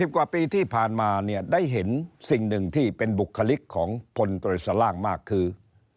กว่าปีที่ผ่านมาเนี่ยได้เห็นสิ่งหนึ่งที่เป็นบุคลิกของพลตรวจสล่างมากคือ